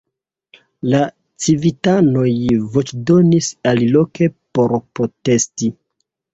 La civitanoj voĉdonis aliloke por protesti.